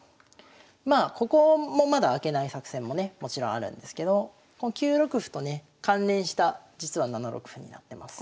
まあここもまだ開けない作戦もねもちろんあるんですけどこの９六歩とね関連した実は７六歩になってます。